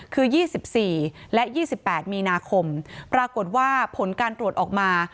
คือ๒๔และ๒๘มีนาคมปรากฏว่าผลการตรวจออกมา